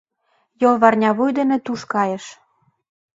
Йолварнявуй дене туш кайыш.